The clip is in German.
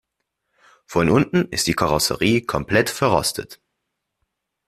Von unten ist die Karosserie komplett verrostet.